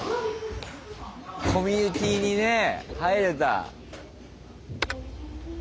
コミュニティーにね入れた。